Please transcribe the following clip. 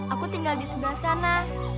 aku tinggal di sebelah sana